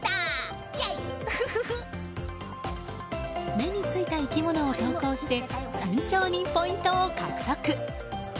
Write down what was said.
目についた生き物を投稿して順調にポイントを獲得。